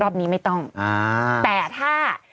รอบนี้ไม่ต้องอ่าแต่ถ้า